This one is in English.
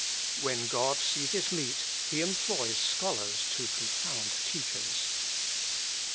When God sees it meet, he employs scholars to confound teachers.